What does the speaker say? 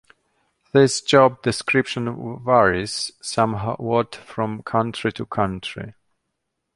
This job description varies somewhat from country to country.